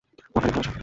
ও আপনাকে ভালোবাসে।